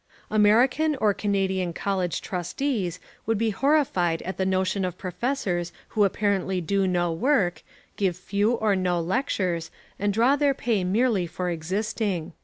American or Canadian college trustees would be horrified at the notion of professors who apparently do no work, give few or no lectures and draw their pay merely for existing.